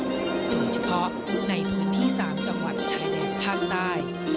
โดยเฉพาะในพื้นที่๓จังหวัดชายแดนภาคใต้